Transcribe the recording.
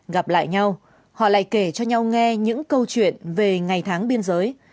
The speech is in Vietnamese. gặp lại nhau họ lại kể cho nhau nghe những câu chuyện về ngày tháng biên giới